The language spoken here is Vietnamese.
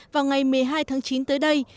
vào ngày một mươi hai tháng chín tới đây